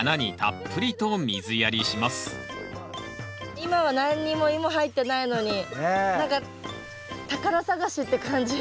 今は何にもイモ入ってないのに何か宝探しって感じ。